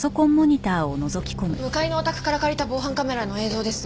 向かいのお宅から借りた防犯カメラの映像です。